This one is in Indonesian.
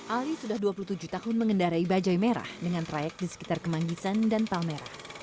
ali sudah dua puluh tujuh tahun mengendarai bajai merah dengan trayek di sekitar kemanggisan dan palmerah